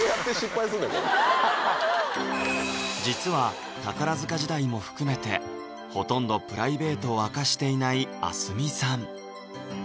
これ実は宝塚時代も含めてほとんどプライベートを明かしていない明日海さん